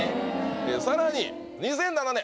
更に２００７年！